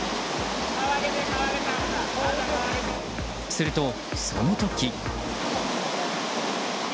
すると、その時。